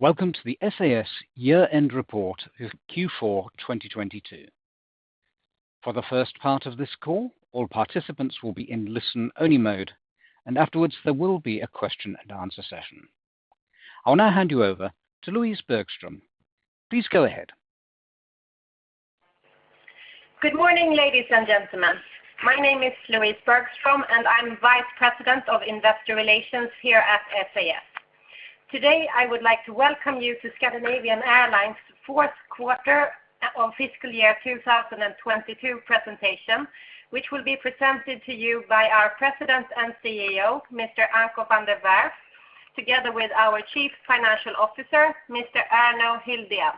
Welcome to the SAS year-end report of Q4 2022. For the first part of this call, all participants will be in listen-only mode. Afterwards, there will be a question and answer session. I'll now hand you over to Louise Bergström. Please go ahead. Good morning, ladies and gentlemen. My name is Louise Bergström, and I'm Vice President of Investor Relations here at SAS. Today, I would like to welcome you to Scandinavian Airlines' fourth quarter of fiscal year 2022 presentation, which will be presented to you by our President and CEO, Mr. Anko van der Werff, together with our Chief Financial Officer, Mr. Erno Hildén.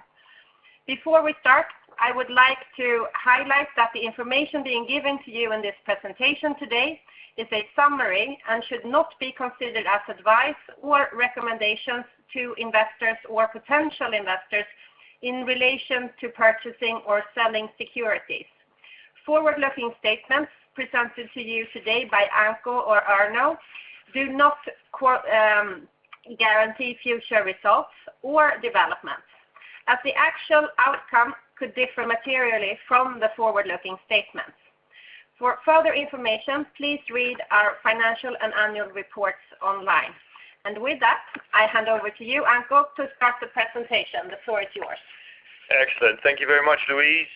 Before we start, I would like to highlight that the information being given to you in this presentation today is a summary and should not be considered as advice or recommendations to investors or potential investors in relation to purchasing or selling securities. Forward-looking statements presented to you today by Anko or Erno do not guarantee future results or developments, as the actual outcome could differ materially from the forward-looking statements. For further information, please read our financial and annual reports online. With that, I hand over to you, Anko, to start the presentation. The floor is yours. Excellent. Thank you very much, Louise.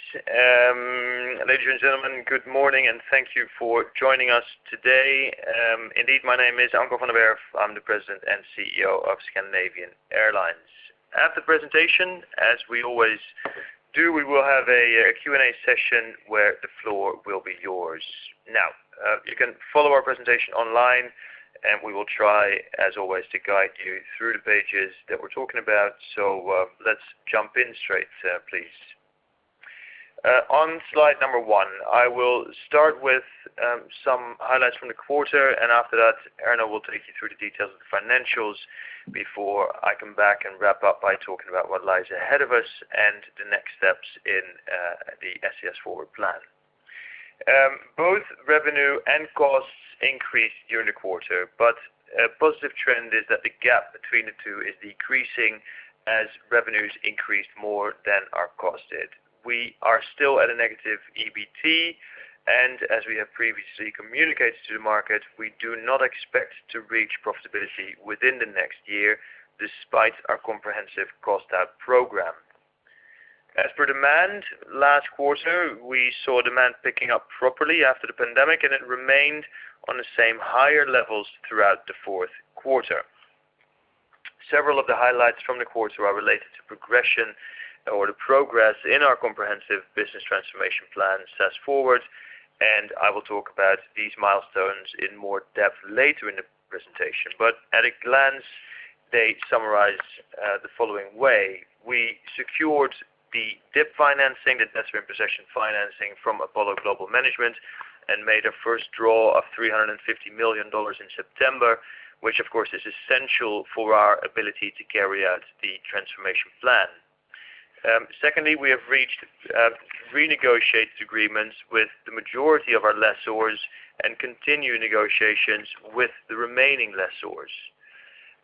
Ladies and gentlemen, good morning, and thank you for joining us today. Indeed, my name is Anko van der Werff. I'm the President and CEO of Scandinavian Airlines. At the presentation, as we always do, we will have a Q&A session where the floor will be yours. Now, you can follow our presentation online, and we will try, as always, to guide you through the pages that we're talking about. Let's jump in straight, please. On slide number one, I will start with some highlights from the quarter, and after that, Erno will take you through the details of the financials before I come back and wrap up by talking about what lies ahead of us and the next steps in the SAS FORWARD plan. Both revenue and costs increased during the quarter. A positive trend is that the gap between the two is decreasing as revenues increased more than our cost did. We are still at a negative EBT. As we have previously communicated to the market, we do not expect to reach profitability within the next year despite our comprehensive cost out program. As per demand, last quarter, we saw demand picking up properly after the pandemic. It remained on the same higher levels throughout the fourth quarter. Several of the highlights from the quarter are related to progression or the progress in our comprehensive business transformation plan, SAS FORWARD. I will talk about these milestones in more depth later in the presentation. At a glance, they summarize the following way. We secured the DIP financing, the necessary possession financing from Apollo Global Management, and made a first draw of $350 million in September, which of course, is essential for our ability to carry out the transformation plan. Secondly, we have reached renegotiated agreements with the majority of our lessors and continue negotiations with the remaining lessors.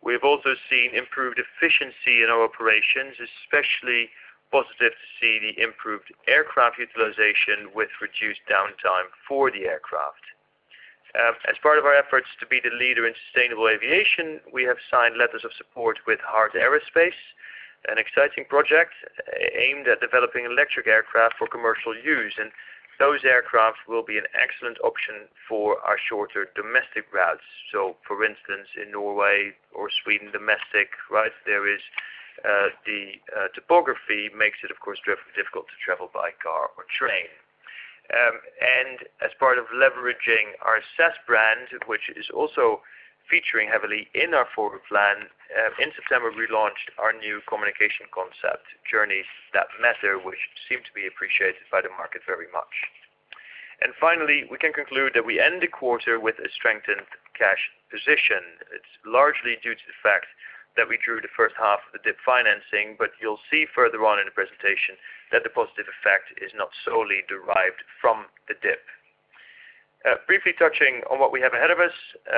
We have also seen improved efficiency in our operations, especially positive to see the improved aircraft utilization with reduced downtime for the aircraft. As part of our efforts to be the leader in sustainable aviation, we have signed letters of support with Heart Aerospace, an exciting project aimed at developing electric aircraft for commercial use, and those aircraft will be an excellent option for our shorter domestic routes. For instance, in Norway or Sweden, domestic routes there is the topography makes it of course, difficult to travel by car or train. As part of leveraging our SAS brand, which is also featuring heavily in our FORWARD plan, in September, we launched our new communication concept, Journeys That Matter, which seemed to be appreciated by the market very much. Finally, we can conclude that we end the quarter with a strengthened cash position. It's largely due to the fact that we drew the first half of the DIP financing, but you'll see further on in the presentation that the positive effect is not solely derived from the DIP. Briefly touching on what we have ahead of us,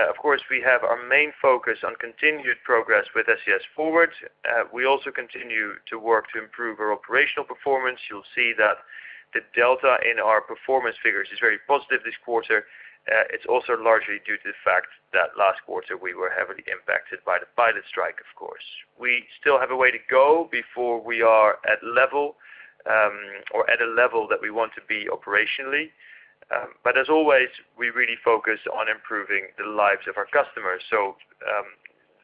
of course, we have our main focus on continued progress with SAS FORWARD. We also continue to work to improve our operational performance. You'll see that the delta in our performance figures is very positive this quarter. It's also largely due to the fact that last quarter we were heavily impacted by the pilot strike, of course. We still have a way to go before we are at level or at a level that we want to be operationally. As always, we really focus on improving the lives of our customers.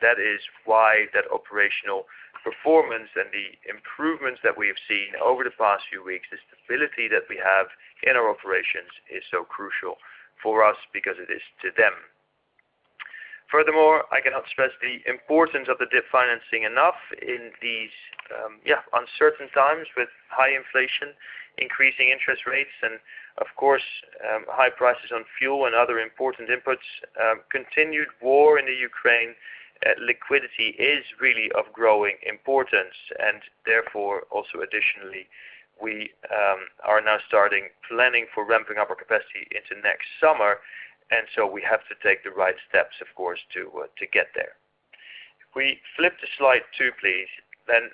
That is why that operational performance and the improvements that we have seen over the past few weeks, the stability that we have in our operations is so crucial for us because it is to them. Furthermore, I cannot stress the importance of the DIP financing enough in these, yeah, uncertain times with high inflation, increasing interest rates, and of course, high prices on fuel and other important inputs, continued war in Ukraine, liquidity is really of growing importance. Therefore, also additionally, we are now starting planning for ramping up our capacity into next summer. We have to take the right steps, of course, to get there. We flip to slide two please.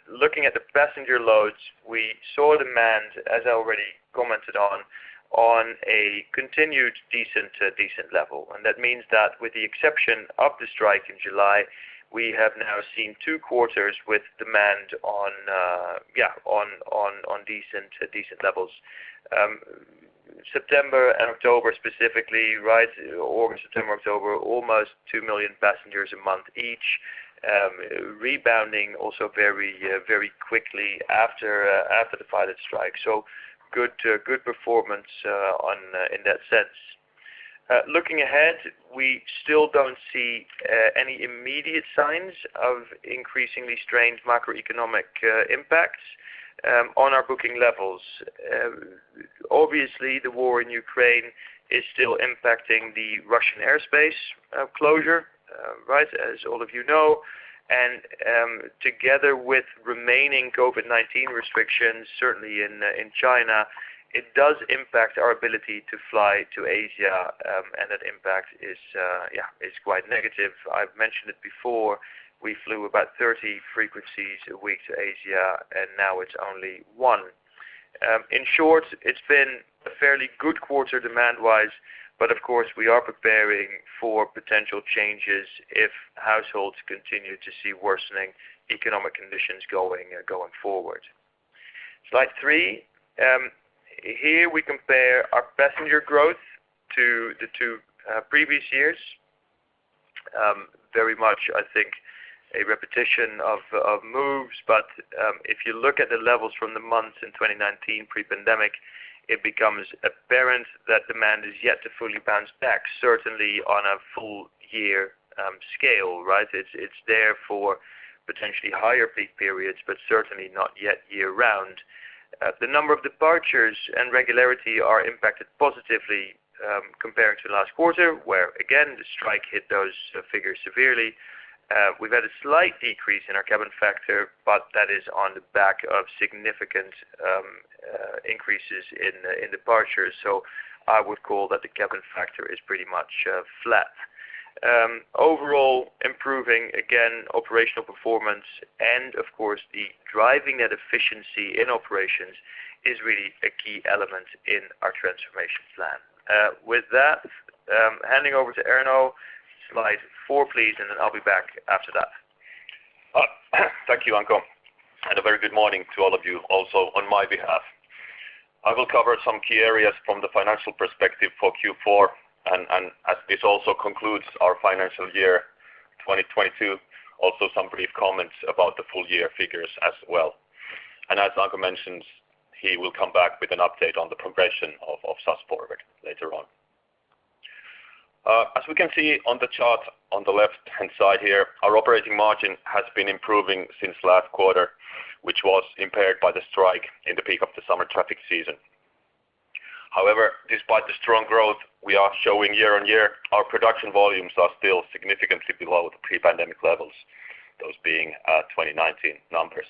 Looking at the passenger loads, we saw demand, as I already commented on a continued decent level. That means that with the exception of the strike in July, we have now seen two quarters with demand on decent levels. September and October, specifically, right? August, September, October, almost 2 million passengers a month each, rebounding also very, very quickly after the pilot strike. Good performance in that sense. Looking ahead, we still don't see any immediate signs of increasingly strained macroeconomic impacts on our booking levels. Obviously, the war in Ukraine is still impacting the Russian airspace closure, right, as all of you know, and together with remaining COVID-19 restrictions, certainly in China, it does impact our ability to fly to Asia, and that impact is quite negative. I've mentioned it before. We flew about 30 frequencies a week to Asia, and now it's only one. In short, it's been a fairly good quarter demand-wise, but of course, we are preparing for potential changes if households continue to see worsening economic conditions going forward. Slide three. Here we compare our passenger growth to the two previous years. Very much I think a repetition of moves. If you look at the levels from the months in 2019 pre-pandemic, it becomes apparent that demand is yet to fully bounce back, certainly on a full year scale, right? It's there for potentially higher peak periods, but certainly not yet year-round. The number of departures and regularity are impacted positively compared to last quarter, where again, the strike hit those figures severely. We've had a slight decrease in our cabin factor, but that is on the back of significant increases in departures. I would call that the cabin factor is pretty much flat. Overall, improving, again, operational performance and of course, the driving that efficiency in operations is really a key element in our transformation plan. With that, handing over to Erno Hildén. Slide four, please, and then I'll be back after that. Thank you, Anko, and a very good morning to all of you also on my behalf. I will cover some key areas from the financial perspective for Q4 and as this also concludes our financial year 2022, also some brief comments about the full year figures as well. As Anko mentioned, he will come back with an update on the progression of our SAS FORWARD later on. As we can see on the chart on the left-hand side here, our operating margin has been improving since last quarter, which was impaired by the strike in the peak of the summer traffic season. However, despite the strong growth we are showing year-over-year, our production volumes are still significantly below the pre-pandemic levels, those being 2019 numbers.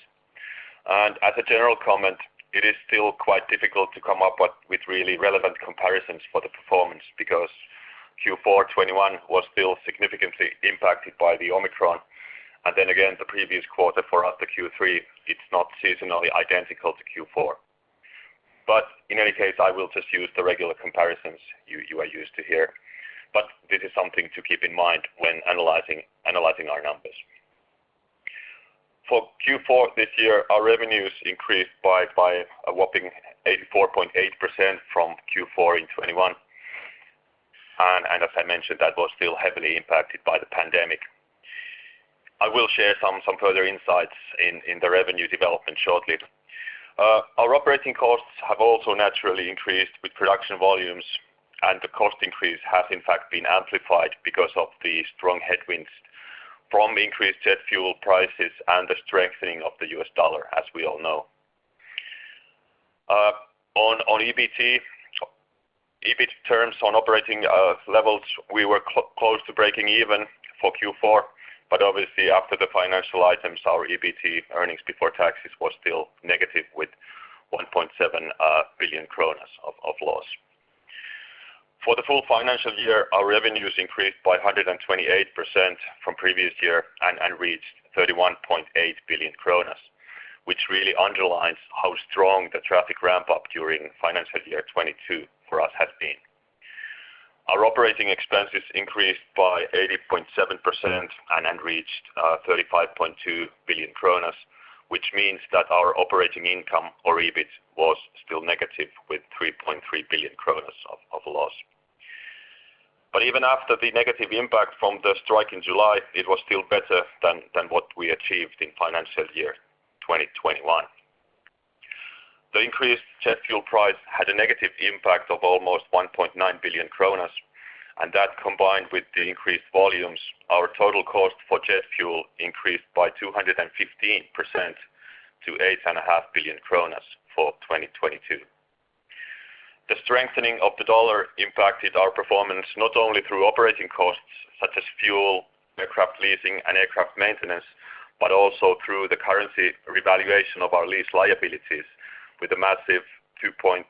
As a general comment, it is still quite difficult to come up with really relevant comparisons for the performance because Q4 2021 was still significantly impacted by the Omicron. Then again, the previous quarter for us, the Q3, it's not seasonally identical to Q4. In any case, I will just use the regular comparisons you are used to hear. This is something to keep in mind when analyzing our numbers. For Q4 this year, our revenues increased by a whopping 84.8% from Q4 in 2021. As I mentioned, that was still heavily impacted by the pandemic. I will share some further insights in the revenue development shortly. Our operating costs have also naturally increased with production volumes, and the cost increase has in fact been amplified because of the strong headwinds from increased jet fuel prices and the strengthening of the US dollar, as we all know. On EBT terms on operating levels, we were close to breaking even for Q4, but obviously after the financial items, our EBT earnings before taxes was still negative with 1.7 billion kronor of loss. For the full financial year, our revenues increased by 128% from previous year and reached 31.8 billion kronor, which really underlines how strong the traffic ramp-up during financial year 2022 for us has been. Our operating expenses increased by 80.7% and reached 35.2 billion kronor, which means that our operating income or EBT was still negative with 3.3 billion kronor of loss. Even after the negative impact from the strike in July, it was still better than what we achieved in financial year 2021. The increased jet fuel price had a negative impact of almost 1.9 billion kronor, that combined with the increased volumes, our total cost for jet fuel increased by 215% to 8.5 billion kronor for 2022. The strengthening of the dollar impacted our performance not only through operating costs such as fuel, aircraft leasing and aircraft maintenance, but also through the currency revaluation of our lease liabilities with a massive 2.9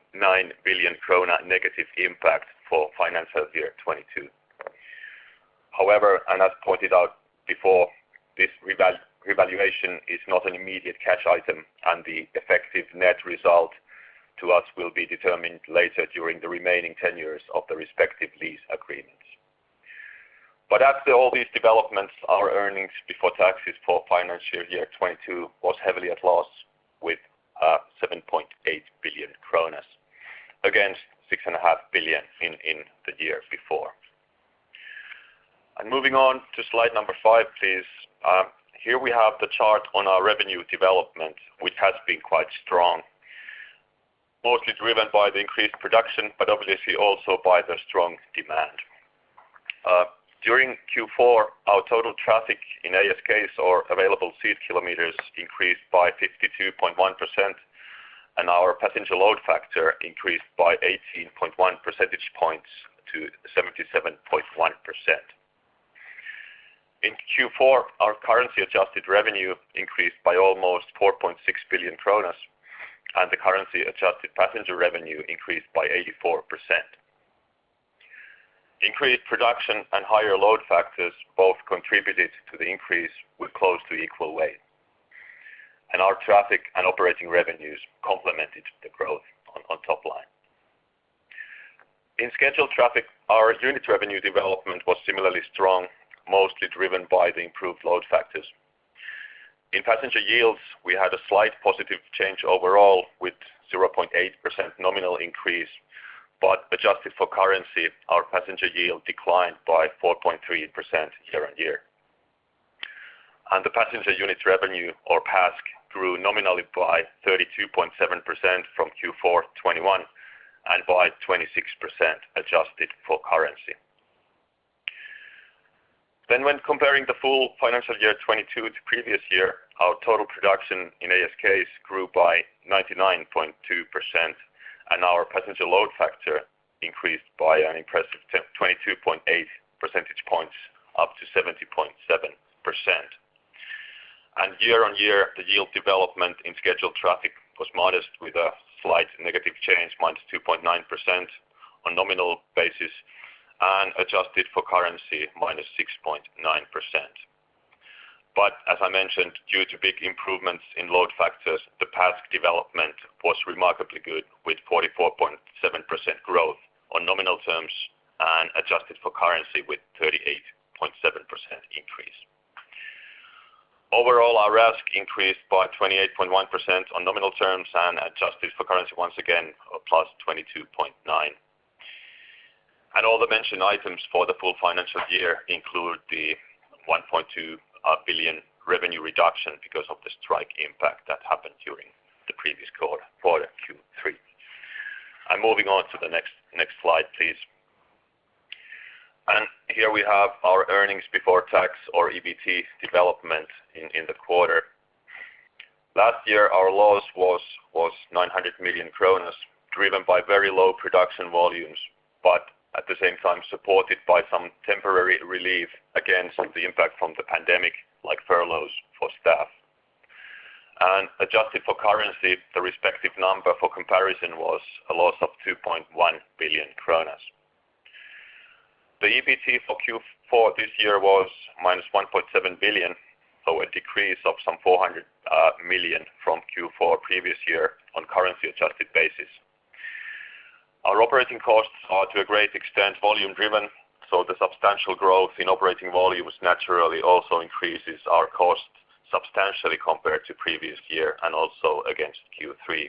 billion krona negative impact for financial year 2022. However, and as pointed out before, this revaluation is not an immediate cash item, and the effective net result to us will be determined later during the remaining tenures of the respective lease agreements. After all these developments, our earnings before taxes for financial year 2022 was heavily at loss with 7.8 billion kronor against 6.5 billion in the year before. Moving on to slide number five, please. Here we have the chart on our revenue development, which has been quite strong. Mostly driven by the increased production, but obviously also by the strong demand. During Q4, our total traffic in ASKs or Available Seat Kilometers increased by 52.1%, and our passenger load factor increased by 18.1 percentage points to 77.1%. In Q4, our currency adjusted revenue increased by almost 4.6 billion kronor, and the currency adjusted passenger revenue increased by 84%. Increased production and higher load factors both contributed to the increase with close to equal weight. Our traffic and operating revenues complemented the growth on top line. In scheduled traffic, our unit revenue development was similarly strong, mostly driven by the improved load factors. In passenger yields, we had a slight positive change overall with 0.8% nominal increase, but adjusted for currency, our passenger yield declined by 4.3% year-on-year. The passenger unit revenue or PASK grew nominally by 32.7% from Q4 2021 and by 26% adjusted for currency. When comparing the full financial year 2022 to previous year, our total production in ASKs grew by 99.2%, and our passenger load factor increased by an impressive 22.8 percentage points up to 70.7%. Year-on-year, the yield development in scheduled traffic was modest with a slight negative change, -2.9% on nominal basis and adjusted for currency -6.9%. As I mentioned, due to big improvements in load factors, the PASK development was remarkably good with 44.7% growth on nominal terms and adjusted for currency with 38.7% increase. Overall, our RASK increased by 28.1% on nominal terms. Adjusted for currency once again, +22.9%. All the mentioned items for the full financial year include the 1.2 billion revenue reduction because of the strike impact that happened during the previous quarter Q3. Moving on to the next slide, please. Here we have our earnings before tax or EBT development in the quarter. Last year, our loss was 900 million kronor, driven by very low production volumes, but at the same time supported by some temporary relief against the impact from the pandemic like furloughs for staff. Adjusted for currency, the respective number for comparison was a loss of 2.1 billion kronor. The EBT for Q4 this year was minus 1.7 billion, a decrease of some 400 million from Q4 previous year on a currency-adjusted basis. Our operating costs are to a great extent volume-driven, the substantial growth in operating volumes naturally also increases our cost substantially compared to previous year and also against Q3.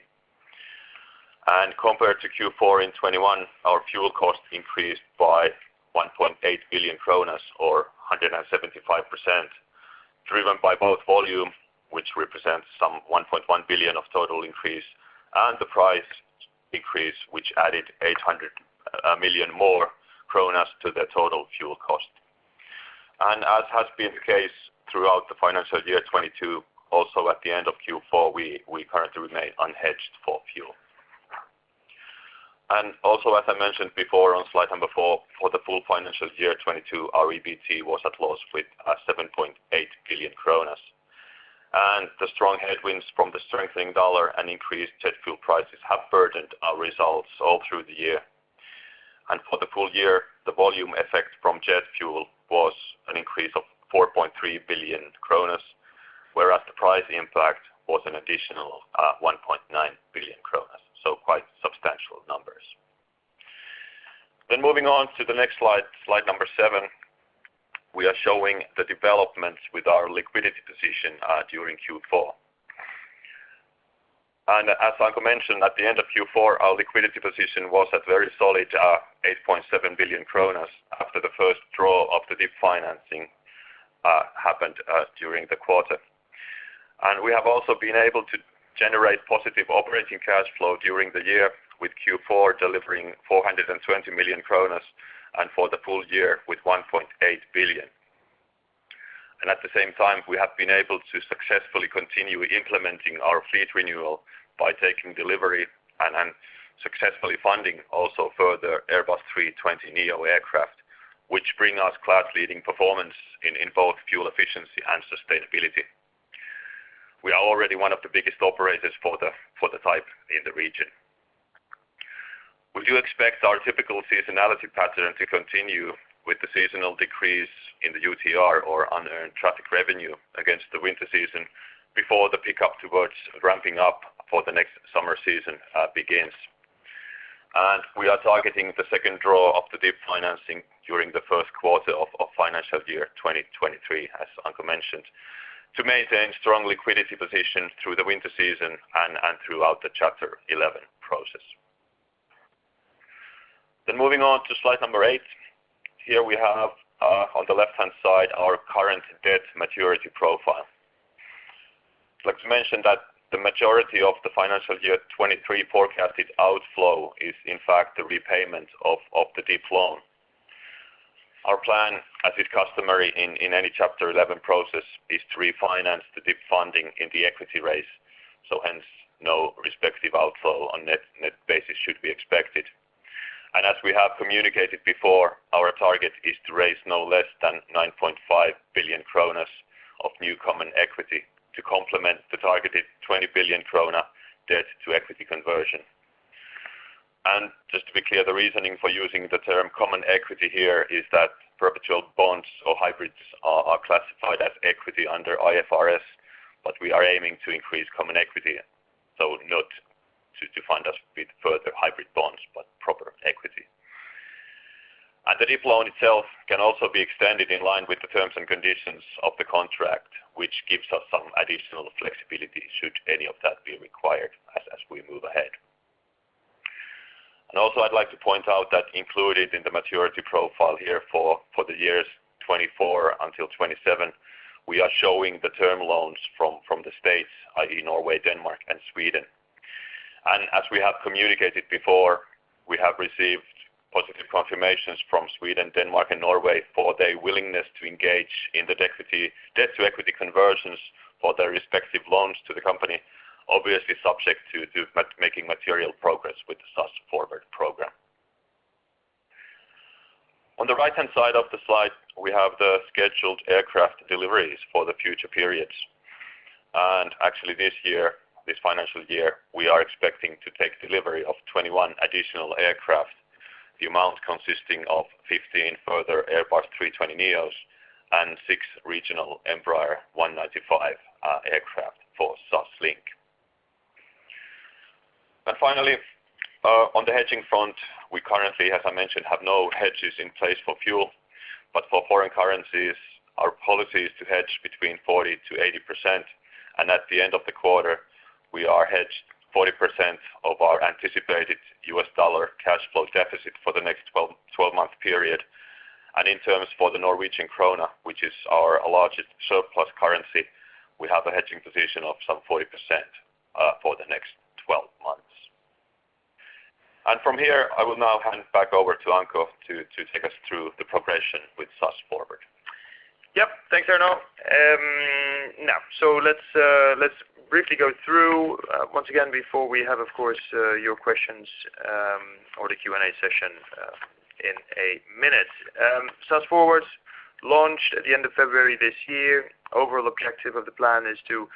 Compared to Q4 in 2021, our fuel cost increased by 1.8 billion kronor or 175%, driven by both volume, which represents some 1 billion of total increase, and the price increase, which added 800 million kronor more to the total fuel cost. As has been the case throughout the financial year 2022, also at the end of Q4, we currently remain unhedged for fuel. Also, as I mentioned before on slide number four, for the full financial year 2022, our EBT was a loss with 7.8 billion kronor. The strong headwinds from the strengthening dollar and increased jet fuel prices have burdened our results all through the year. For the full year, the volume effect from jet fuel was an increase of 4.3 billion, whereas the price impact was an additional 1.9 billion. Quite substantial numbers. Moving on to the next slide number seven, we are showing the developments with our liquidity position during Q4. As Anko mentioned, at the end of Q4, our liquidity position was at very solid 8.7 billion kronor after the first draw of the DIP financing happened during the quarter. We have also been able to generate positive operating cash flow during the year with Q4 delivering 420 million kronor and for the full year with 1.8 billion. At the same time, we have been able to successfully continue implementing our fleet renewal by taking delivery and successfully funding also further Airbus A320neo aircraft, which bring us class-leading performance in both fuel efficiency and sustainability. We are already one of the biggest operators for the type in the region. We do expect our typical seasonality pattern to continue with the seasonal decrease in the UTR or Unearned Traffic Revenue against the winter season before the pickup towards ramping up for the next summer season begins. We are targeting the second draw of the DIP financing during the first quarter of financial year 2023, as Anko mentioned, to maintain strong liquidity position through the winter season and throughout the Chapter 11 process. Moving on to slide eight. Here we have on the left-hand side our current debt maturity profile. I'd like to mention that the majority of the financial year 2023 forecasted outflow is in fact the repayment of the DIP loan. Our plan, as is customary in any Chapter 11 process, is to refinance the DIP funding in the equity raise, hence no respective outflow on net basis should be expected. As we have communicated before, our target is to raise no less than 9.5 billion kronor of new common equity to complement the targeted 20 billion krona debt to equity conversion. Just to be clear, the reasoning for using the term common equity here is that perpetual bonds or hybrids are classified as equity under IFRS, but we are aiming to increase common equity, so not to fund us with further hybrid bonds, but proper equity. The DIP loan itself can also be extended in line with the terms and conditions of the contract, which gives us some additional flexibility should any of that be required as we move ahead. Also, I'd like to point out that included in the maturity profile here for the years 2024 until 2027, we are showing the term loans from the states, i.e., Norway, Denmark, and Sweden. As we have communicated before, we have received positive confirmations from Sweden, Denmark, and Norway for their willingness to engage in the debt to equity conversions for their respective loans to the company, obviously subject to making material progress with the SAS FORWARD program. On the right-hand side of the slide, we have the scheduled aircraft deliveries for the future periods. Actually this year, this financial year, we are expecting to take delivery of 21 additional aircraft, the amount consisting of 15 further Airbus A320neo and six regional Embraer E195 aircraft for SAS Link. Finally, on the hedging front, we currently, as I mentioned, have no hedges in place for fuel. For foreign currencies, our policy is to hedge between 40%-80%. At the end of the quarter, we are hedged 40% of our anticipated US dollar cash flow deficit for the next 12-month period. In terms for the Norwegian krona, which is our largest surplus currency, we have a hedging position of some 40% for the next 12 months. From here, I will now hand back over to Anko to take us through the progression with SAS FORWARD. Yep. Thanks, Erno. Let's briefly go through once again before we have, of course, your questions or the Q&A session in a minute. SAS FORWARD launched at the end of February this year. Overall objective of the plan is to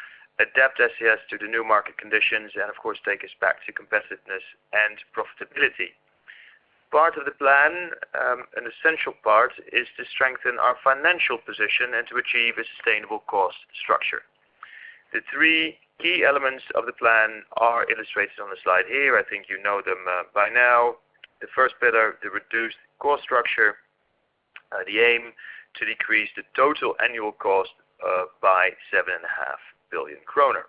adapt SAS to the new market conditions and of course take us back to competitiveness and profitability. Part of the plan, an essential part is to strengthen our financial position and to achieve a sustainable cost structure. The three key elements of the plan are illustrated on the slide here. I think you know them by now. The first pillar, the reduced cost structure, the aim to decrease the total annual cost by 7.5 billion kronor.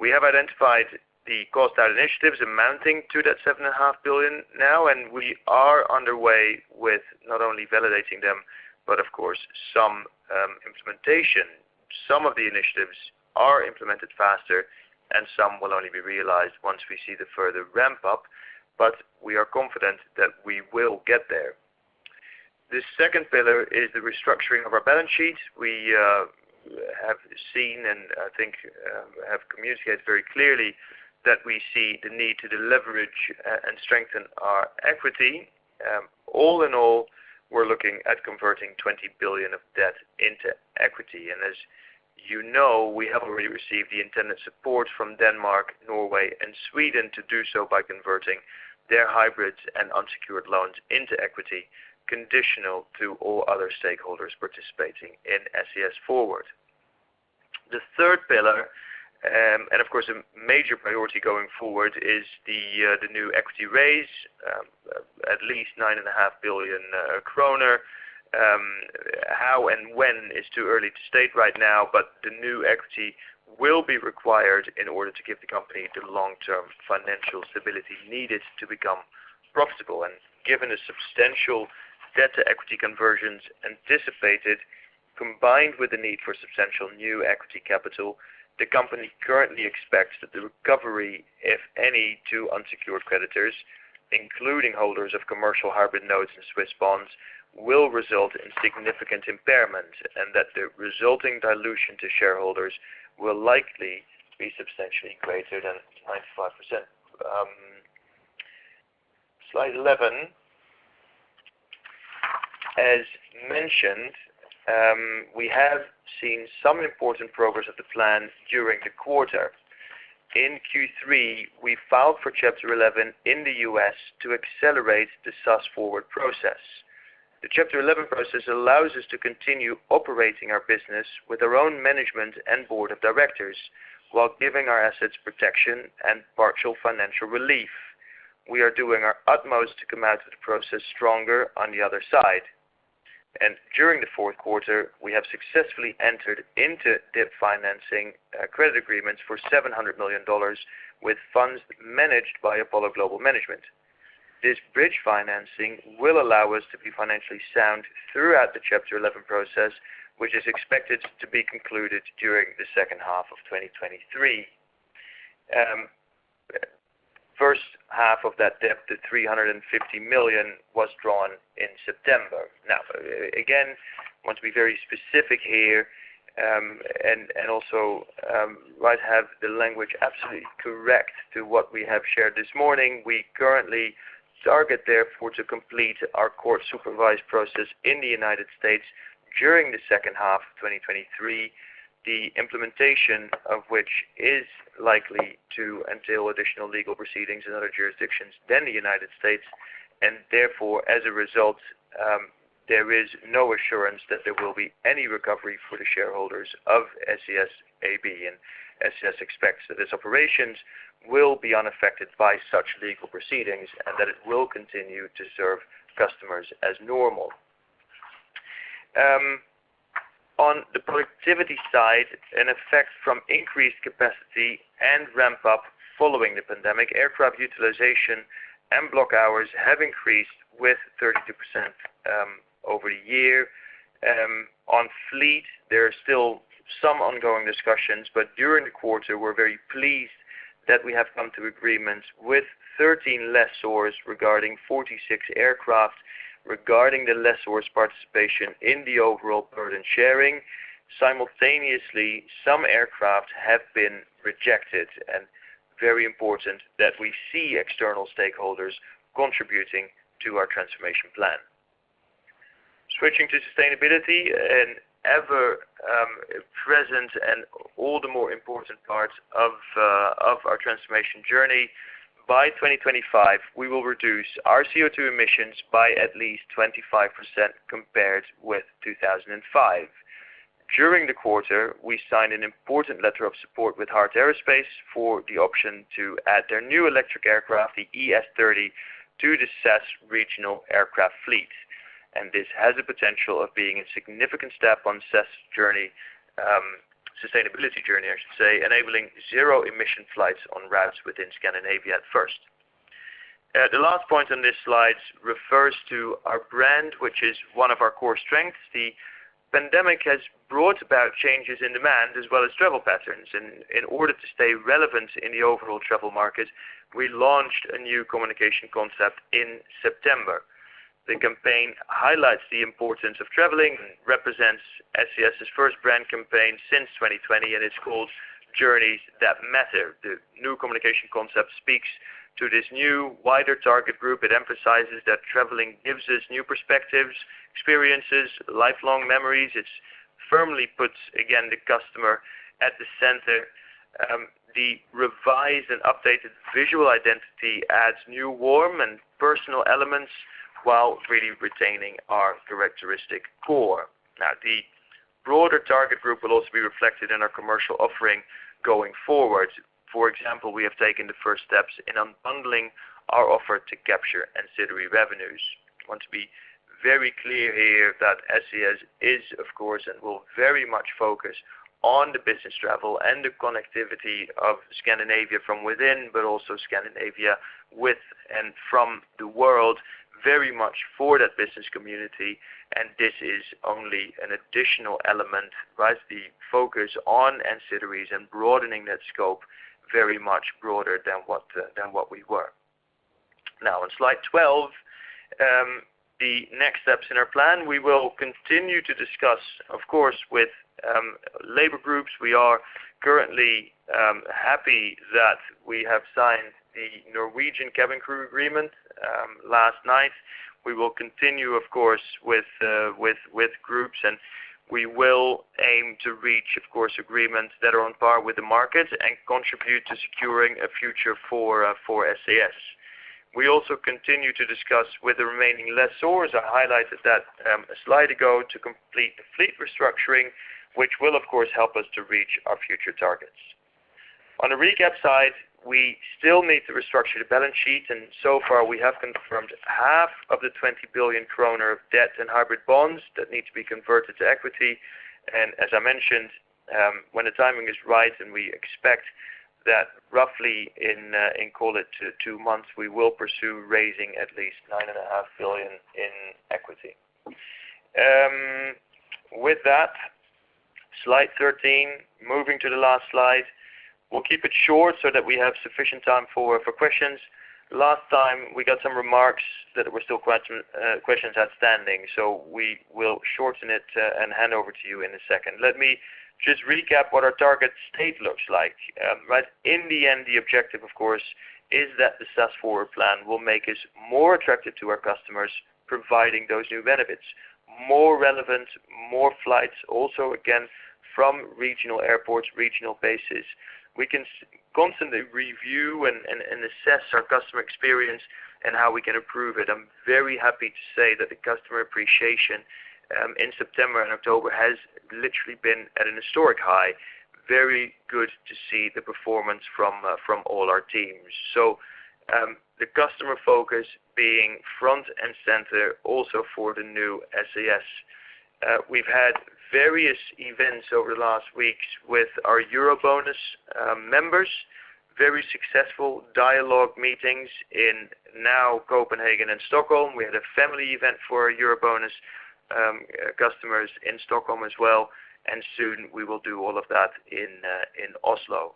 We have identified the cost out initiatives amounting to that 7.5 billion now, we are underway with not only validating them, but of course, some implementation. Some of the initiatives are implemented faster, and some will only be realized once we see the further ramp up, but we are confident that we will get there. The second pillar is the restructuring of our balance sheet. We have seen and, I think, have communicated very clearly that we see the need to deleverage and strengthen our equity. All in all, we're looking at converting 20 billion of debt into equity. As you know, we have already received the intended support from Denmark, Norway, and Sweden to do so by converting their hybrids and unsecured loans into equity, conditional to all other stakeholders participating in SAS FORWARD. The third pillar, and of course, a major priority going forward is the new equity raise, at least 9.5 billion kronor. How and when is too early to state right now, but the new equity will be required in order to give the company the long-term financial stability needed to become profitable. Given the substantial debt-to-equity conversions anticipated, combined with the need for substantial new equity capital, the company currently expects that the recovery, if any, to unsecured creditors, including holders of commercial hybrid notes and Swiss bonds, will result in significant impairment, and that the resulting dilution to shareholders will likely be substantially greater than 95%. Slide 11. As mentioned, we have seen some important progress of the plan during the quarter. In Q3, we filed for Chapter 11 in the U.S. to accelerate the SAS FORWARD process. The Chapter 11 process allows us to continue operating our business with our own management and board of directors, while giving our assets protection and partial financial relief. We are doing our utmost to come out of the process stronger on the other side. During the fourth quarter, we have successfully entered into debt financing, credit agreements for $700 million with funds managed by Apollo Global Management. This bridge financing will allow us to be financially sound throughout the Chapter 11 process, which is expected to be concluded during the second half of 2023. First half of that debt, the $350 million, was drawn in September. Now, again, want to be very specific here, and also, right have the language absolutely correct to what we have shared this morning. We currently target therefore to complete our court-supervised process in the United States during the second half of 2023, the implementation of which is likely to entail additional legal proceedings in other jurisdictions than the United States. Therefore, as a result, there is no assurance that there will be any recovery for the shareholders of SAS AB, and SAS expects that its operations will be unaffected by such legal proceedings and that it will continue to serve customers as normal. On the productivity side, an effect from increased capacity and ramp up following the pandemic, aircraft utilization and block hours have increased with 32% over the year. On fleet, there are still some ongoing discussions, but during the quarter we're very pleased that we have come to agreements with 13 lessors regarding 46 aircraft regarding the lessors' participation in the overall burden sharing. Simultaneously, some aircraft have been rejected, and very important that we see external stakeholders contributing to our transformation plan. Switching to sustainability, an ever present and all the more important part of our transformation journey. By 2025, we will reduce our CO2 emissions by at least 25% compared with 2005. During the quarter, we signed an important letter of support with Heart Aerospace for the option to add their new electric aircraft, the ES-30, to the SAS regional aircraft fleet. This has a potential of being a significant step on SAS' journey, sustainability journey, I should say, enabling zero emission flights on routes within Scandinavia at first. The last point on this slide refers to our brand, which is one of our core strengths. The pandemic has brought about changes in demand as well as travel patterns. In order to stay relevant in the overall travel market, we launched a new communication concept in September. The campaign highlights the importance of traveling, represents SAS' first brand campaign since 2020, and it's called "Journeys That Matter." The new communication concept speaks to this new wider target group. It emphasizes that traveling gives us new perspectives, experiences, lifelong memories. It firmly puts, again, the customer at the center. The revised and updated visual identity adds new warm and personal elements while really retaining our characteristic core. The broader target group will also be reflected in our commercial offering going forward. For example, we have taken the first steps in unbundling our offer to capture ancillary revenues. Want to be very clear here that SAS is of course and will very much focus on the business travel and the connectivity of Scandinavia from within, but also Scandinavia with and from the world, very much for that business community. This is only an additional element, right? The focus on ancillaries and broadening that scope very much broader than what we were. On slide 12, the next steps in our plan. We will continue to discuss, of course, with labor groups. We are currently happy that we have signed the Norwegian cabin crew agreement last night. We will continue, of course, with groups. We will aim to reach, of course, agreements that are on par with the market and contribute to securing a future for SAS. We also continue to discuss with the remaining lessors, I highlighted that a slide ago, to complete the fleet restructuring, which will of course help us to reach our future targets. On the recap side, we still need to restructure the balance sheet. So far we have confirmed half of the 20 billion kronor of debt and hybrid bonds that need to be converted to equity. As I mentioned, when the timing is right, and we expect that roughly in, call it two months, we will pursue raising at least 9.5 billion in equity. With that, Slide 13, moving to the last slide. We'll keep it short so that we have sufficient time for questions. Last time we got some remarks that there were still quite some questions outstanding, so we will shorten it and hand over to you in a second. Let me just recap what our target state looks like. In the end, the objective, of course, is that the SAS FORWARD Plan will make us more attractive to our customers, providing those new benefits, more relevant, more flights, also again from regional airports, regional bases. We can constantly review and assess our customer experience and how we can improve it. I'm very happy to say that the customer appreciation in September and October has literally been at an historic high. Very good to see the performance from all our teams. The customer focus being front and center also for the new SAS. We've had various events over the last weeks with our EuroBonus members, very successful dialogue meetings in now Copenhagen and Stockholm. We had a family event for EuroBonus customers in Stockholm as well, and soon we will do all of that in Oslo.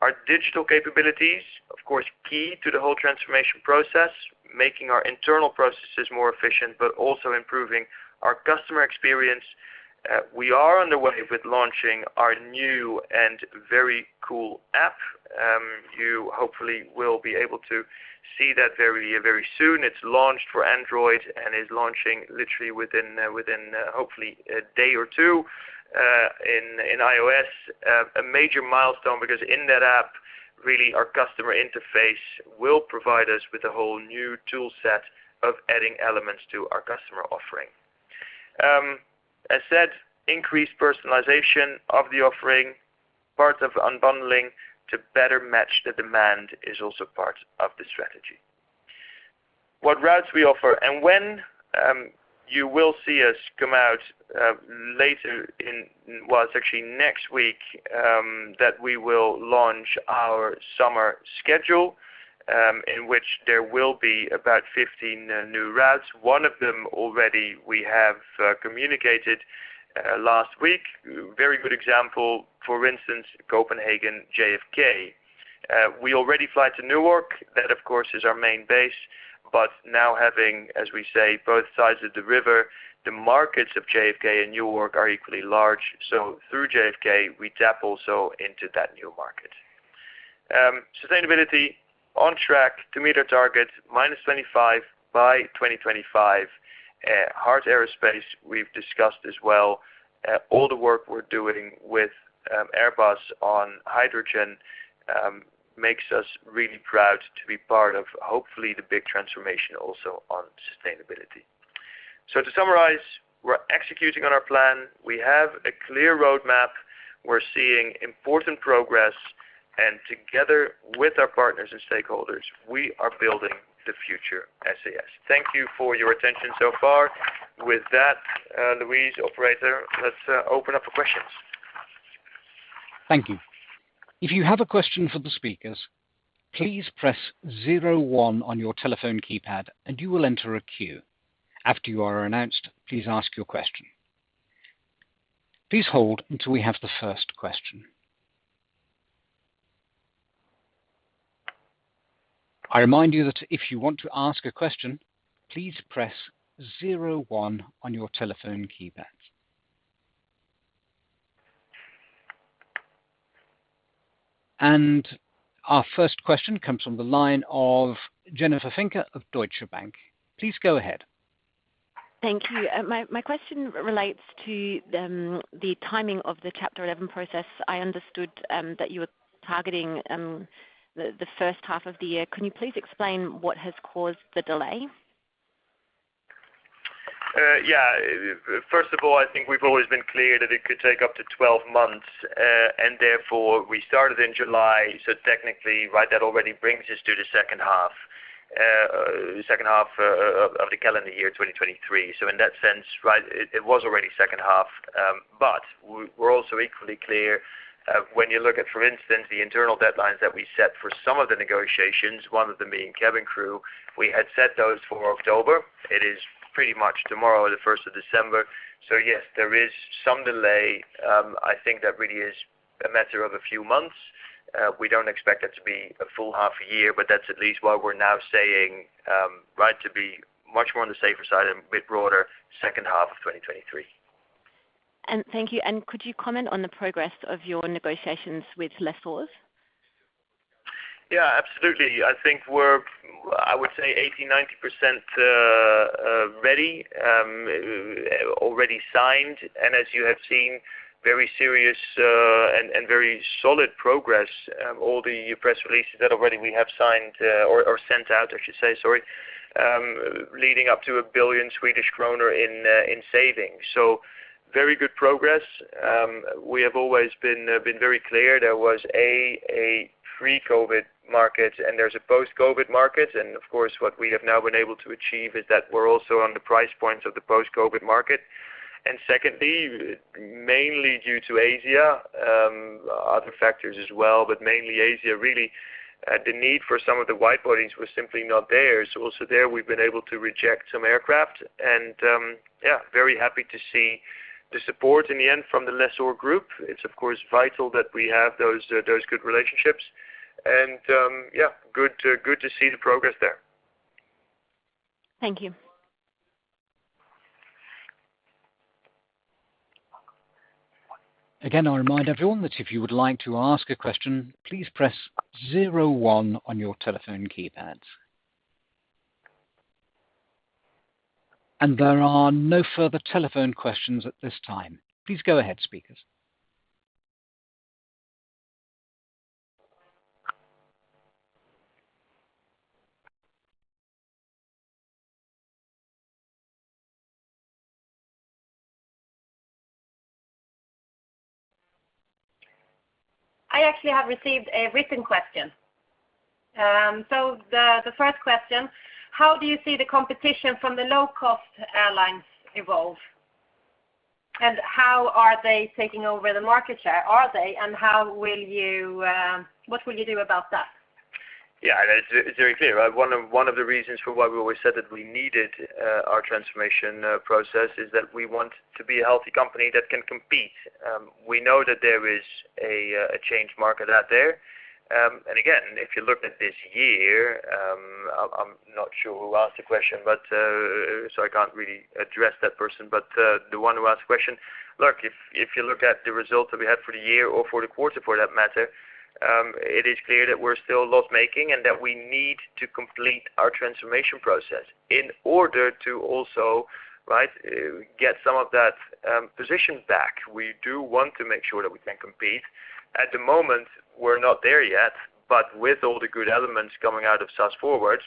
Our digital capabilities, of course, key to the whole transformation process, making our internal processes more efficient, but also improving our customer experience. We are underway with launching our new and very cool app. You hopefully will be able to see that very soon. It's launched for Android and is launching literally within hopefully a day or two in iOS. A major milestone because in that app, really our customer interface will provide us with a whole new tool set of adding elements to our customer offering. As said, increased personalization of the offering, part of unbundling to better match the demand is also part of the strategy. What routes we offer and when, you will see us come out later. Well, it's actually next week, that we will launch our summer schedule, in which there will be about 15 new routes. One of them already we have communicated last week. Very good example, for instance, Copenhagen-JFK. We already fly to Newark. That, of course, is our main base. Now having, as we say, both sides of the river, the markets of JFK and Newark are equally large. Through JFK, we tap also into that new market. Sustainability on track to meet our target -25% by 2025. Heart Aerospace we've discussed as well. All the work we're doing with Airbus on hydrogen makes us really proud to be part of, hopefully, the big transformation also on sustainability. To summarize, we're executing on our plan. We have a clear roadmap. We're seeing important progress, and together with our partners and stakeholders, we are building the future SAS. Thank you for your attention so far. With that, Louise, operator, let's open up for questions. Thank you. If you have a question for the speakers, please press zero one on your telephone keypad, and you will enter a queue. After you are announced, please ask your question. Please hold until we have the first question. I remind you that if you want to ask a question, please press zero one on your telephone keypad. Our first question comes from the line of Jennifer Finke of Deutsche Bank. Please go ahead. Thank you. My question relates to the timing of the Chapter 11 process. I understood that you were targeting the first half of the year. Can you please explain what has caused the delay? Yeah. First of all, I think we've always been clear that it could take up to 12 months, and therefore, we started in July, so technically, right, that already brings us to the second half of the calendar year 2023. In that sense, right, it was already second half. We're also equally clear, when you look at, for instance, the internal deadlines that we set for some of the negotiations, one of them being cabin crew, we had set those for October. It is pretty much tomorrow, the 1st of December. Yes, there is some delay. I think that really is a matter of a few months. We don't expect it to be a full half a year, that's at least what we're now saying, to be much more on the safer side and a bit broader second half of 2023. Thank you. Could you comment on the progress of your negotiations with lessors? Yeah, absolutely. I think we're, I would say 80%, 90% ready, already signed, and as you have seen, very serious, and very solid progress. All the press releases that already we have signed, or sent out, I should say, sorry, leading up to 1 billion Swedish kronor in savings. Very good progress. We have always been very clear there was, a, a pre-COVID market and there's a post-COVID market, and of course, what we have now been able to achieve is that we're also on the price points of the post-COVID market. Secondly, mainly due to Asia, other factors as well, but mainly Asia. Really, the need for some of the wide-bodies was simply not there. Also there, we've been able to reject some aircraft and, yeah, very happy to see the support in the end from the lessor group. It's of course vital that we have those good relationships and, yeah, good to see the progress there. Thank you. Again, I remind everyone that if you would like to ask a question, please press zero one on your telephone keypads. There are no further telephone questions at this time. Please go ahead, speakers. I actually have received a written question. The first question, how do you see the competition from the low-cost airlines evolve? How are they taking over the market share? Are they? And how will you, what will you do about that? Yeah, it's very clear, right? One of the reasons for why we always said that we needed our transformation process is that we want to be a healthy company that can compete. We know that there is a change market out there. Again, if you look at this year, I'm not sure who asked the question, but so I can't really address that person. The one who asked the question, look, if you look at the results that we had for the year or for the quarter for that matter, it is clear that we're still loss-making and that we need to complete our transformation process in order to also, right, get some of that position back. We do want to make sure that we can compete. At the moment, we're not there yet, but with all the good elements coming out of SAS FORWARD,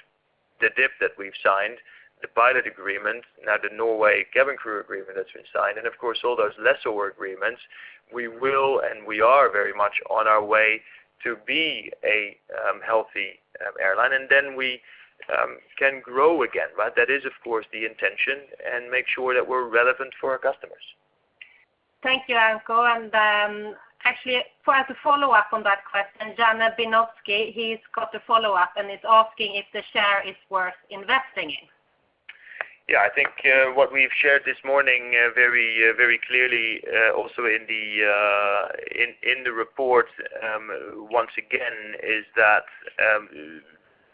the DIP that we've signed, the pilot agreement, now the Norway cabin crew agreement that's been signed, and of course all those lessor agreements, we will and we are very much on our way to be a healthy airline, and then we can grow again, right? That is, of course, the intention and make sure that we're relevant for our customers. Thank you, Anko. Actually for as a follow-up on that question, Jana Beňošková's got a follow-up, and is asking if the share is worth investing in. I think what we've shared this morning, very, very clearly, also in the report, once again is that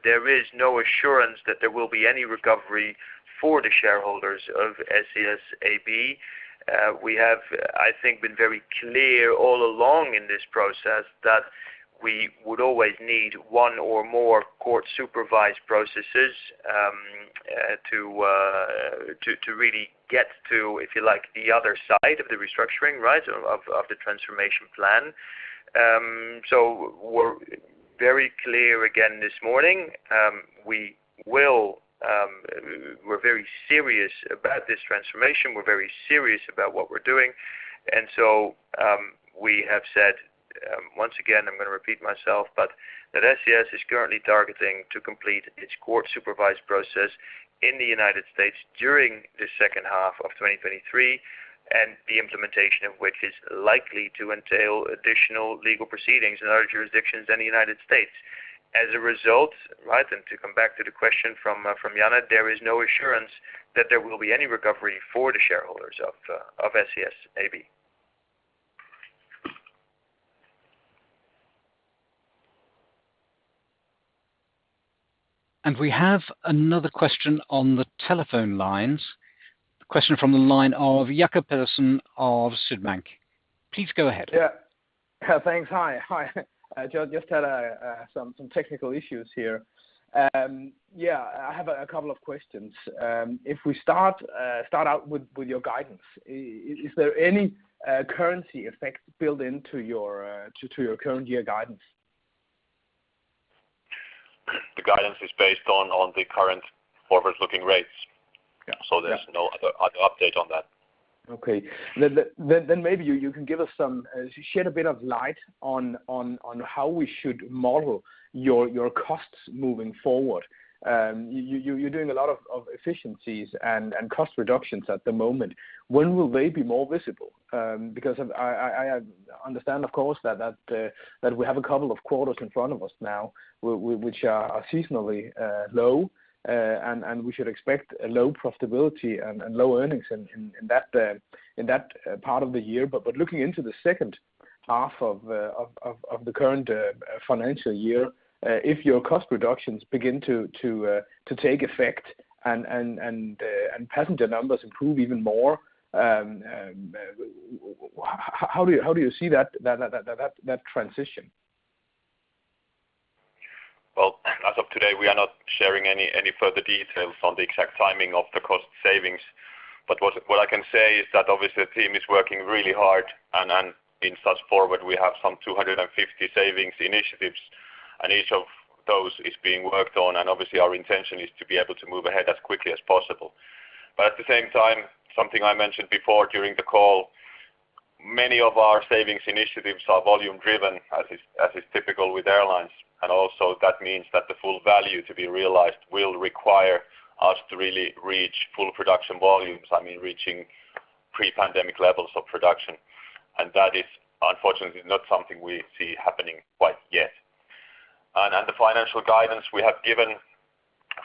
there is no assurance that there will be any recovery for the shareholders of SAS AB. We have, I think been very clear all along in this process that we would always need one or more court-supervised processes to really get to, if you like, the other side of the restructuring, right? Of the transformation plan. We're very clear again this morning. We're very serious about this transformation. We're very serious about what we're doing. We have said, once again, I'm gonna repeat myself, but that SAS is currently targeting to complete its court-supervised process in the United States during the second half of 2023, and the implementation of which is likely to entail additional legal proceedings in other jurisdictions in the United States. As a result, right, and to come back to the question from Jana, there is no assurance that there will be any recovery for the shareholders of SAS AB. We have another question on the telephone lines. A question from the line of Jacob Pedersen of Sydbank. Please go ahead. Yeah. Thanks. Hi. Hi. Just had some technical issues here. Yeah, I have a couple of questions. If we start out with your guidance, is there any currency effect built into your to your current year guidance? The guidance is based on the current forward-looking rates. Yeah. There's no other update on that. Okay. Then maybe you can shed a bit of light on how we should model your costs moving forward. You're doing a lot of efficiencies and cost reductions at the moment. When will they be more visible? Because I understand of course that we have a couple of quarters in front of us now which are seasonally low and we should expect a low profitability and low earnings in that part of the year. Looking into the second half of the current financial year, if your cost reductions begin to take effect and passenger numbers improve even more, how do you see that transition? As of today, we are not sharing any further details on the exact timing of the cost savings. What I can say is that obviously the team is working really hard. And in SAS FORWARD, we have some 250 savings initiatives, and each of those is being worked on. Obviously, our intention is to be able to move ahead as quickly as possible. At the same time, something I mentioned before during the call, many of our savings initiatives are volume-driven, as is typical with airlines, and also that means that the full value to be realized will require us to really reach full production volumes. I mean, reaching pre-pandemic levels of production. That is unfortunately not something we see happening quite yet. The financial guidance we have given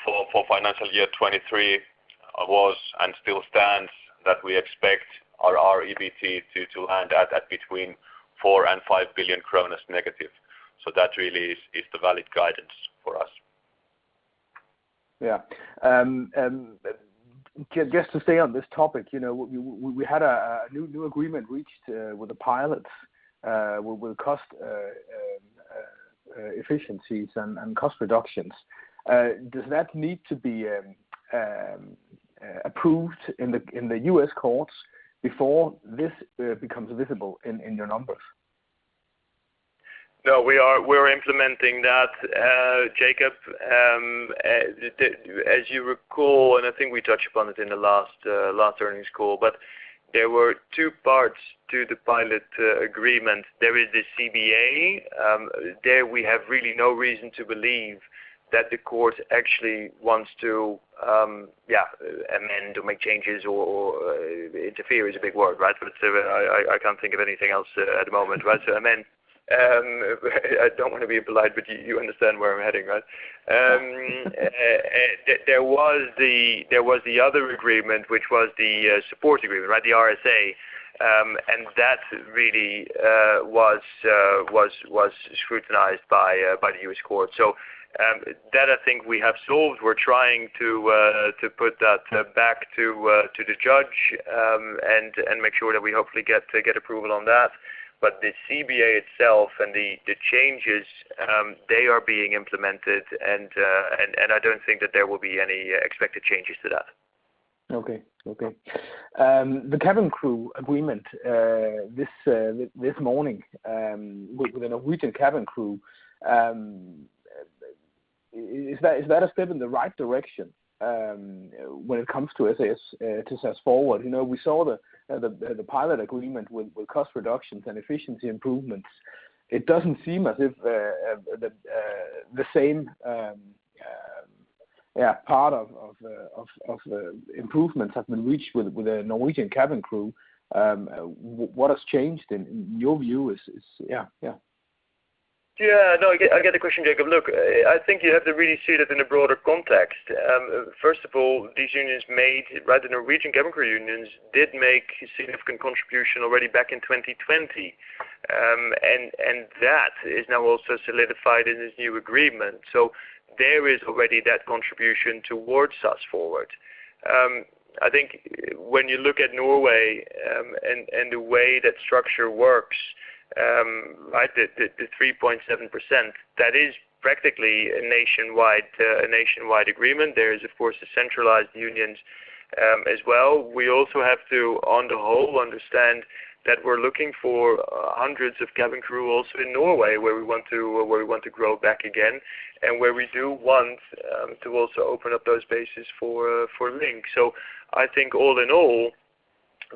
for financial year 2023 was and still stands that we expect our EBT to land at between -4 billion and -5 billion kronor. That really is the valid guidance for us. Yeah. Just to stay on this topic, you know, we had a new agreement reached with the pilots, with cost efficiencies and cost reductions. Does that need to be approved in the U.S. courts before this becomes visible in your numbers? No, we are, we're implementing that, Jacob. As you recall, and I think we touched upon it in the last earnings call, but there were two parts to the pilot agreement. There is the CBA. There we have really no reason to believe that the court actually wants to, yeah, amend or make changes or interfere is a big word, right? It's, I can't think of anything else at the moment, right? Then, I don't want to be impolite, but you understand where I'm heading, right? There was the other agreement, which was the support agreement, right? The RSA. That really was scrutinized by the U.S. court. That I think we have solved. We're trying to put that back to the judge and make sure that we hopefully get approval on that. The CBA itself and the changes, they are being implemented and I don't think that there will be any expected changes to that. Okay. Okay. The cabin crew agreement this morning with the Norwegian cabin crew, is that a step in the right direction when it comes to SAS, to SAS FORWARD? You know, we saw the pilot agreement with cost reductions and efficiency improvements. It doesn't seem as if the same part of the improvements have been reached with the Norwegian cabin crew. What has changed in your view? Yeah, yeah. Yeah. No, I get the question, Jacob. Look, I think you have to really see this in a broader context. First of all, these unions made, right? The Norwegian cabin crew unions did make a significant contribution already back in 2020. And that is now also solidified in this new agreement. There is already that contribution towards SAS FORWARD. I think when you look at Norway, and the way that structure works, right? The 3.7%, that is practically a nationwide, a nationwide agreement. There is, of course, the centralized unions as well. We also have to, on the whole, understand that we're looking for hundreds of cabin crew also in Norway, where we want to grow back again, and where we do want to also open up those bases for for SAS Link. I think all in all,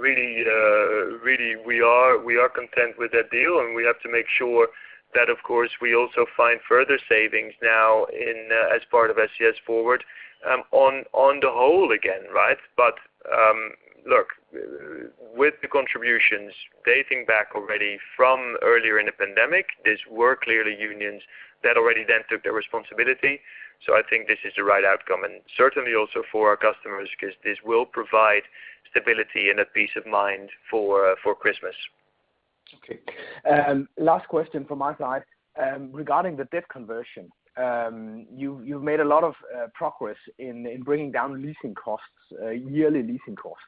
really, we are content with that deal, and we have to make sure that of course, we also find further savings now in as part of SAS FORWARD, on the whole again, right? Look, with the contributions dating back already from earlier in the pandemic, these were clearly unions that already then took their responsibility. I think this is the right outcome, and certainly also for our customers, because this will provide stability and a peace of mind, for, for Christmas. Okay. Last question from my side. Regarding the debt conversion, you've made a lot of progress in bringing down leasing costs, yearly leasing costs.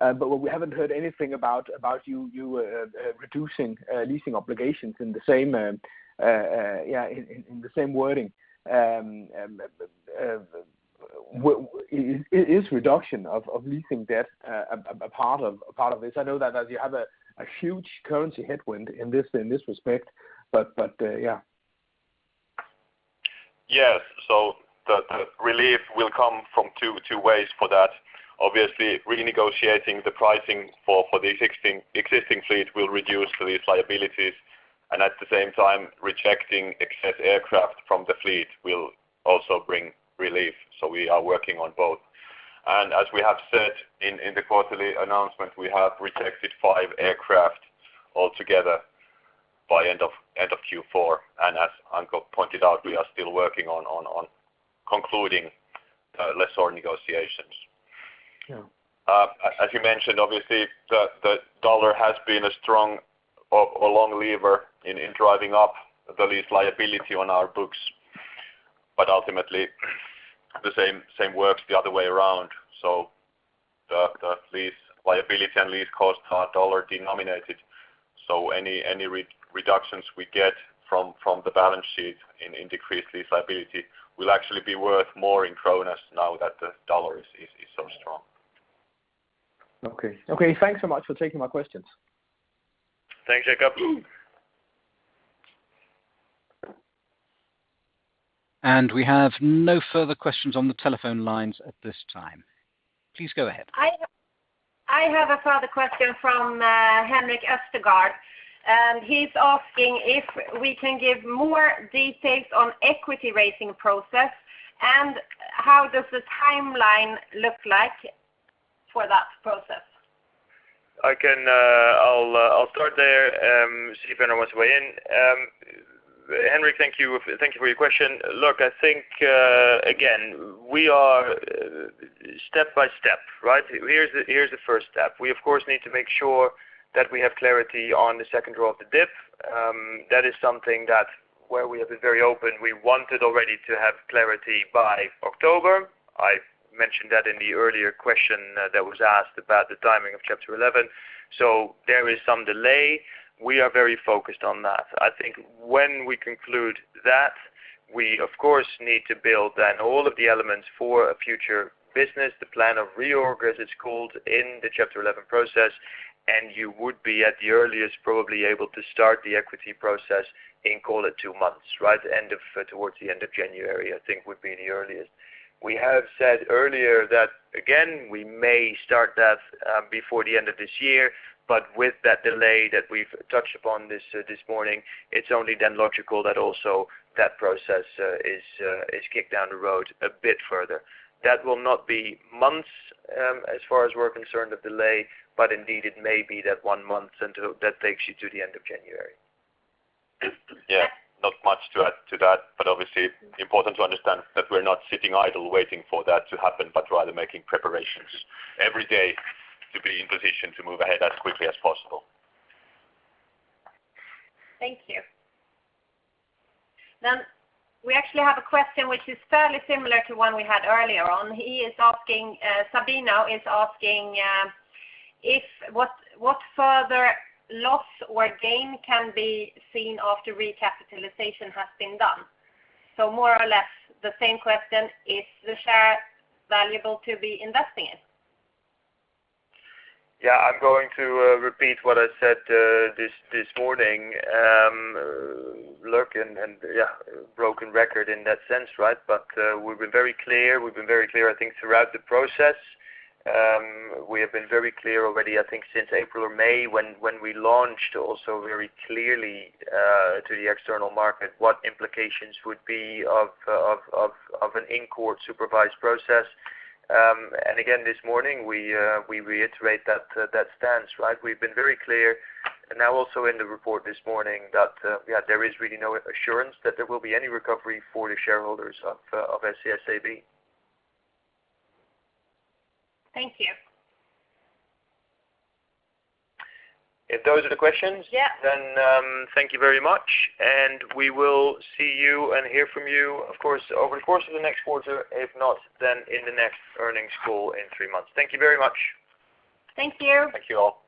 What we haven't heard anything about you reducing leasing obligations in the same, yeah, wording. Is reduction of leasing debt a part of this? I know that you have a huge currency headwind in this respect, but yeah. Yes. The relief will come from two ways for that. Obviously, renegotiating the pricing for the existing fleet will reduce the lease liabilities, and at the same time, rejecting excess aircraft from the fleet will also bring relief. We are working on both. As we have said in the quarterly announcement, we have rejected five aircraft altogether by end of Q4. As Anko pointed out, we are still working on concluding lessor negotiations. Yeah. As you mentioned, obviously the dollar has been a strong or long lever in driving up the lease liability on our books. Ultimately the same works the other way around. The lease liability and lease costs are dollar denominated. Any re-reductions we get from the balance sheet in decreased lease liability will actually be worth more in SEK now that the dollar is so strong. Okay. Okay, thanks so much for taking my questions. Thanks, Jacob. We have no further questions on the telephone lines at this time. Please go ahead. I have a further question from Henrik Östergaard. He's asking if we can give more details on equity raising process, and how does the timeline look like for that process? I'll start there, see if anyone wants to weigh in. Henrik, thank you. Thank you for your question. Look, I think, again, we are step by step, right? Here's the first step. We, of course, need to make sure that we have clarity on the second draw of the DIP. That is something that where we have been very open, we wanted already to have clarity by October. I mentioned that in the earlier question that was asked about the timing of Chapter 11. There is some delay. We are very focused on that. I think when we conclude that we of course, need to build then all of the elements for a future business, the Plan of Reorganization, as it's called, in the Chapter 11 process, and you would be at the earliest probably able to start the equity process in, call it two months. Right towards the end of January, I think would be the earliest. We have said earlier that again, we may start that before the end of this year, but with that delay that we've touched upon this this morning, it's only then logical that also that process is kicked down the road a bit further. That will not be months, as far as we're concerned, the delay, but indeed it may be that one month until that takes you to the end of January. Yeah. Not much to add to that, but obviously important to understand that we're not sitting idle waiting for that to happen, but rather making preparations every day to be in position to move ahead as quickly as possible. Thank you. We actually have a question which is fairly similar to one we had earlier on. He is asking, Sabino is asking, if what further loss or gain can be seen after recapitalization has been done? More or less the same question, is the share valuable to be investing in? Yeah. I'm going to repeat what I said this morning, look and, yeah, broken record in that sense, right? We've been very clear. We've been very clear, I think, throughout the process. We have been very clear already, I think, since April or May when we launched also very clearly to the external market what implications would be of an in-court supervised process. Again, this morning we reiterate that stance, right? We've been very clear and now also in the report this morning that, yeah, there is really no assurance that there will be any recovery for the shareholders of SAS AB. Thank you. If those are the questions. Yeah. Then, thank you very much, and we will see you and hear from you, of course, over the course of the next quarter, if not then in the next earnings call in three months. Thank you very much. Thank you. Thank you all.